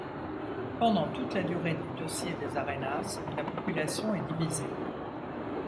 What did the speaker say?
Pendant toute la durée du dossier des arénas, la population est divisée.